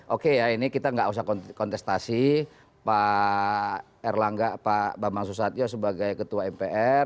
oke ya ini kita nggak usah kontestasi pak erlangga pak bambang susatyo sebagai ketua mpr